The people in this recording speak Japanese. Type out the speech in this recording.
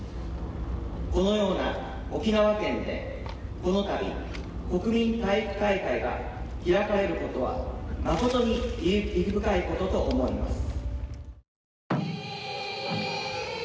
このような沖縄県でこのたび、国民体育大会が開かれることは、誠に意義深いことと思います。